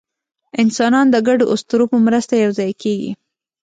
انسانان د ګډو اسطورو په مرسته یوځای کېږي.